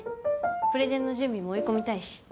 プレゼンの準備も追い込みたいし。